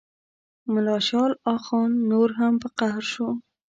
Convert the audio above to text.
ملا شال اخند نور هم په قهر شو.